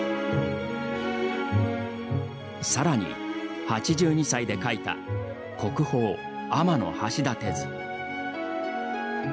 さらに、８２歳で描いた国宝「天橋立図」。